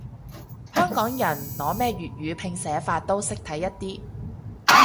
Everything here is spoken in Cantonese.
香港人，攞咩粵語拼寫法都識睇一啲